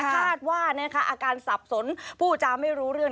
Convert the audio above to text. คาดว่าอาการสับสนผู้จาไม่รู้เรื่อง